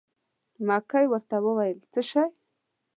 مکۍ ورته وویل: څه شی.